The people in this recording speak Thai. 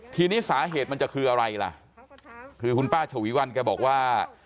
ทีนี้สาเหตุมันจะคืออะไรล่ะคือคุณป้าฉวีวันแกบอกว่า